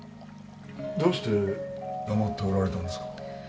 どうして黙っておられたんですか？